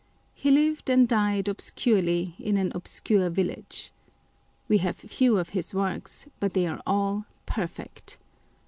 He lived and died obscurely in an obscure village. We have few of his works, but they are all perfect.